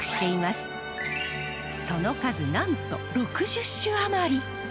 その数なんと６０種余り。